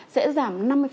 sẽ giảm năm mươi